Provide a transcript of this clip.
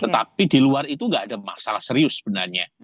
tetapi di luar itu tidak ada masalah serius sebenarnya